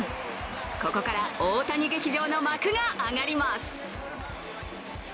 ここから大谷劇場の幕が上がります。